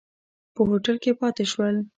په هوټل کې پاتې شول.